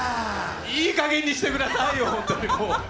いいかげんにしてくださいよ、本当？